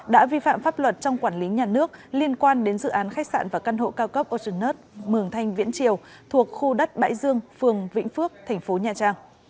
đã vi phạm pháp luật trong quản lý nhà nước liên quan đến dự án khách sạn và căn hộ cao cấp ortonut mường thanh viễn triều thuộc khu đất bãi dương phường vĩnh phước tp nha trang